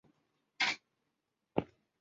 弗雷斯努瓦莱沙托人口变化图示